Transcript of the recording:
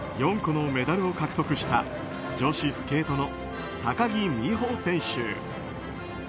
４個のメダルを獲得した女子スケートの高木美帆選手。